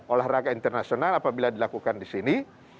olahraga internasional apabila dilakukan di sini